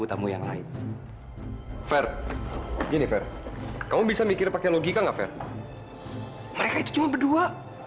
sampai jumpa di video selanjutnya